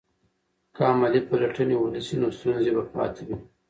که عملي پلټنې ونه سي نو ستونزې به پاتې وي.